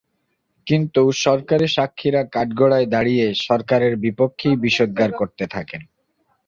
কিন্তু সরকারি সাক্ষীরা কাঠগড়ায় দাঁড়িয়ে সরকারের বিপক্ষেই বিষোদ্গার করতে থাকেন।